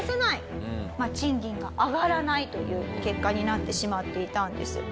賃金が上がらないという結果になってしまっていたんです。